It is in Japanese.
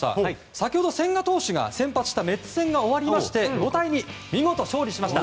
先ほど千賀投手が先発したメッツ戦が終わりまして５対２で見事勝利しました。